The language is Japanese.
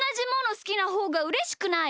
すきなほうがうれしくない？